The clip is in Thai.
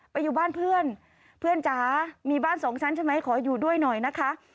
อยู่บ้านเพื่อนเพื่อนจ๋ามีบ้านสองชั้นใช่ไหมขออยู่ด้วยหน่อยนะคะ